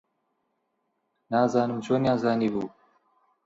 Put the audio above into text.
نازانم چۆنیان زانیبوو.